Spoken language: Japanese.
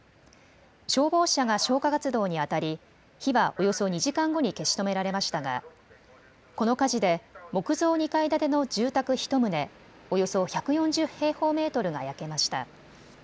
消防車が消火活動にあたり火はおよそ２時間後に消し止められましたがこの火事で木造２階建ての住宅１棟、およそ１４０平方メートルが焼けました。